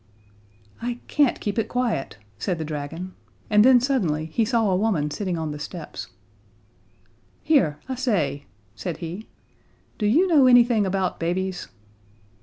"I can't keep it quiet," said the dragon; and then suddenly he saw a woman sitting on the steps. "Here, I say," said he, "do you know anything about babies?"